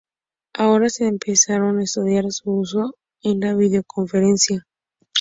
Ahora se está empezando a estudiar su uso en las videoconferencias.